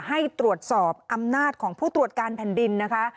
ให้ตรวจสอบอำนาจของผู้ตรวจการแผ่นดินนะคะ